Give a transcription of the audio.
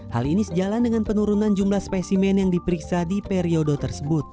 hal ini sejalan dengan penurunan jumlah spesimen yang diperiksa di periode tersebut